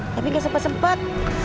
tapi gak sempat sempat